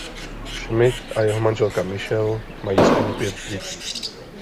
Schmidt a jeho manželka Michelle mají spolu pět dětí.